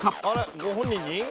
あれご本人に？